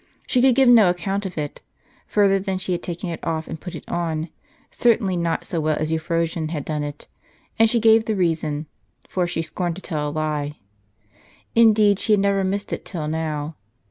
She could give no account of it, further than that she had taken it off, and put it on, certainly not so well as Euphrosyne had done it, and she gave the reason, for she scorned to tell a lie. Indeed she had never missed it till now.